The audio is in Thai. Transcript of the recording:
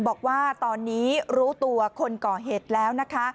บอกว่าตอนนี้รู้ตัวคนก่อเหตุแล้วนะคะ